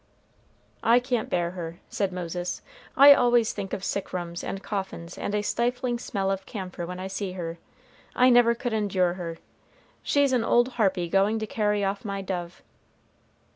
"I can't bear her," said Moses. "I always think of sick rooms and coffins and a stifling smell of camphor when I see her. I never could endure her. She's an old harpy going to carry off my dove."